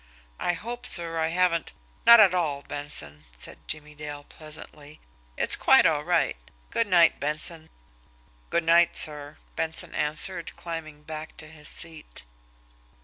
I hope, sir, I haven't " "Not at all, Benson," said Jimmie Dale pleasantly. "It's quite all right. Good night, Benson." "Good night, sir," Benson answered, climbing back to his seat.